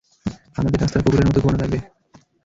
আমাদের রাস্তার কুকুরের মতো ঘুমানো লাগবে।